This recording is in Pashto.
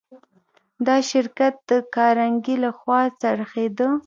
دا شرکت د کارنګي لهخوا خرڅېده